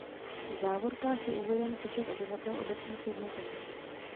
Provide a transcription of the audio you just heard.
V závorkách je uveden počet obyvatel obecních jednotek.